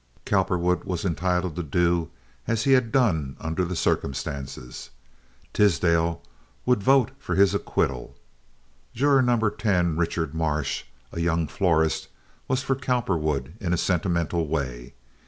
Cowperwood was entitled to do as he had done under the circumstances. Tisdale would vote for his acquittal. Juror No. 10, Richard Marsh, a young florist, was for Cowperwood in a sentimental way.